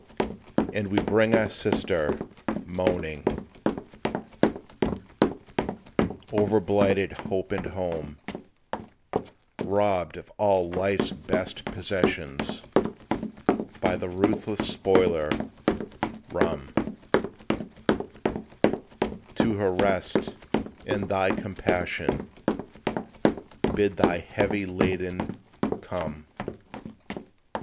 And we bring our sister, moaning Over blighted hope and home; Robbed of all life's best possessions By the ruthless spoiler Rum, To her rest in Thy compassion, Bid the heavy laden "Come."